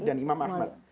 dan imam ahmad